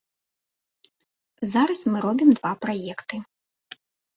Зараз мы робім два праекты.